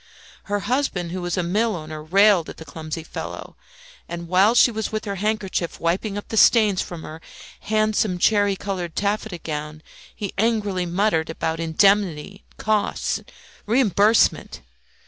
Her husband, who was a millowner, railed at the clumsy fellow, and while she was with her handkerchief wiping up the stains from her handsome cherry coloured taffeta gown, he angrily muttered about indemnity, costs, reimbursement.